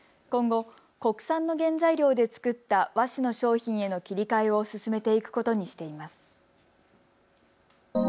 今後、国産の原材料で作った和紙の商品への切り替えを進めていくことにしています。